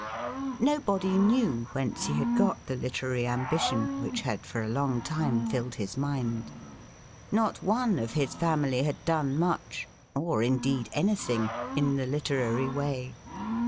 Nobody knew whence he had got the literary ambition which had for a long time filled his mind. Not one of his family had done much, or, indeed, anything, in the literary way.